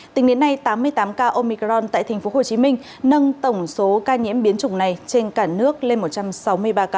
tính đến nay tám mươi tám ca omicron tại tp hcm nâng tổng số ca nhiễm biến chủng này trên cả nước lên một trăm sáu mươi ba ca